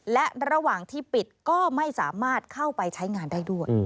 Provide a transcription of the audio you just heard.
และระหว่างที่ปิดก็ไม่สามารถเข้าไปใช้งานได้ด้วย